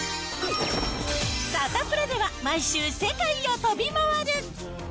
サタプラでは毎週、世界を飛び回る。